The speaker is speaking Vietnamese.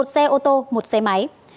một xe ô tô một xe máy